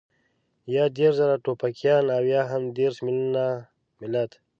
يا دېرش زره ټوپکيان او يا هم دېرش مېليونه ملت.